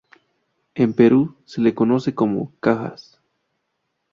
En Perú se le conoce como "cajas".